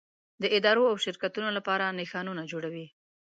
د ادارو او شرکتونو لپاره نښانونه جوړوي.